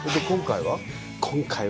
今回は？